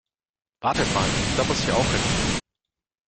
Wartet mal, da muss ich auch hin.